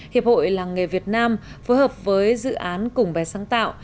hiệp hội làng nghề việt nam phối hợp với dự án cùng bè sáng tạo